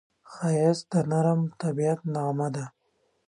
ښایست د نرم طبیعت نغمه ده